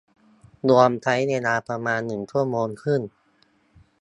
รวมใช้เวลาประมาณหนึ่งชั่วโมงครึ่ง